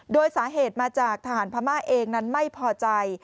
โดยสาเหตุมาจากทหารพม่าเองนั้นไม่พอใจ